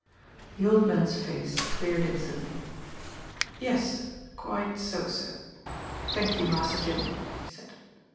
The old man's face cleared instantly. "Yes, sir; quite so, sir. Thank you, Master Jim," he said.